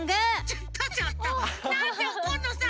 ちょっとちょっとなんでおこんのさ！